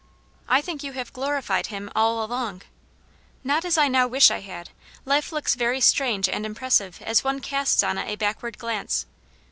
" I think you have glorified Him all along.*' "Not as I now wish I had. Life looks very strange and impressive as one casts on it a back ward glance.